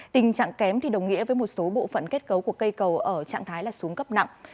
tình trạng kém thì đồng nghĩa với một số bộ phận kết cấu của cây cầu ở trạng thái là xuống cấp nặng